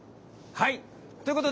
はい。